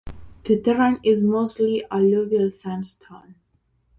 The terrain is mostly alluvial sandstone.